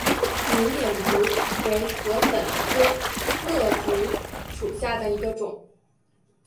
缅甸竹为禾本科簕竹属下的一个种。